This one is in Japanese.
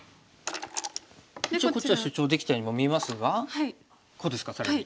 一応こっちは主張できたようにも見えますがこうですか更に。